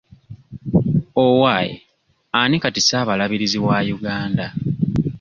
Owaaye ani kati ssaabalabirizi wa Uganda?